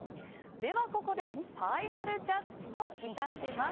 では、ここでファイナルジャッジといたします。